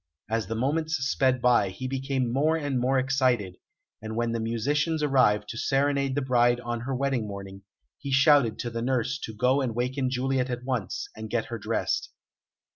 As the moments sped by, he became more and more excited, and when the musicians arrived to serenade the bride on her wedding morning, he shouted to the nurse to go and waken Juliet at once, and get her dressed.